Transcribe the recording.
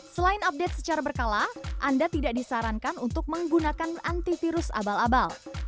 selain update secara berkala anda tidak disarankan untuk menggunakan antivirus abal abal